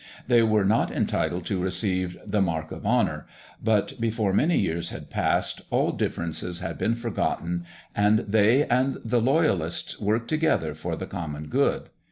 They were not entitled to receive the "Mark of Honour", but before many years had passed all differences had been forgotten and they and the Loyalists worked together for the common good.